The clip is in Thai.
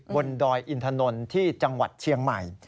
ดอยอินถนนที่จังหวัดเชียงใหม่